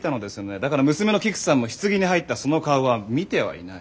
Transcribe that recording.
だから娘のキクさんもひつぎに入ったその顔は見てはいない。